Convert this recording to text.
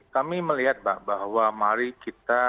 kami melihat bahwa mari kita